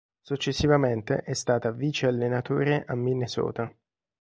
Successivamente è stata vice-allenatore a Minnesota.